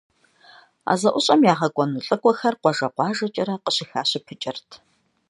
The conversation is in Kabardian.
А зэӀущӀэм ягъэкӀуэну лӀыкӀуэхэр къуажэ-къуажэкӀэрэ къыщыхащыпыкӀырт.